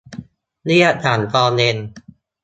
เรียกฉันตอนเย็น